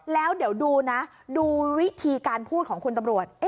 แล้วเดี๋ยวดูนะดูวิธีการพูดของคุณตำรวจ